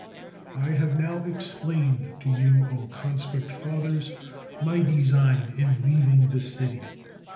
I have now explained to you, O conscript fath ers, my design in leaving the city.